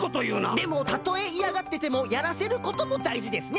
でもたとえいやがっててもやらせることもだいじですね。